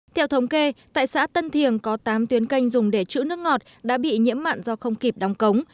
theo thống kê tại xã tân thiềng có tám tuyến canh dùng để chữ nước ngọt đã bị nhiễm mặn do không kịp đóng cống